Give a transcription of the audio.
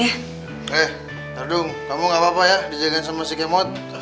eh aduh kamu gak apa apa ya dijagain sama si kemot